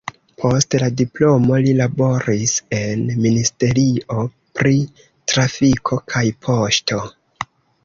Post la diplomo li laboris en ministerio pri trafiko kaj poŝto.